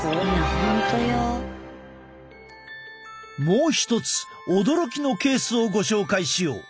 もう一つ驚きのケースをご紹介しよう。